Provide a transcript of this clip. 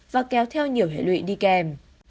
và kéo theo nhiều hệ lụy đi kèm